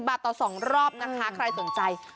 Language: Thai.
บาทต่อ๒รอบนะคะใครสนใจ